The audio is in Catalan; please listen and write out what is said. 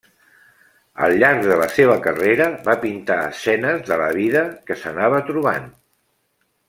Al llarg de la seva carrera va pintar escenes de la vida que s'anava trobant.